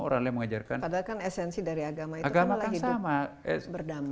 padahal kan esensi dari agama itu adalah hidup berdamai